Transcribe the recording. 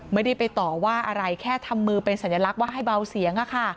ไม่ได้ไปต่อว่าอะไรแค่ทำมือเป็นสัญลักษณ์ว่าให้เบาเสียง